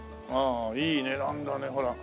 ああいい値段だねほら。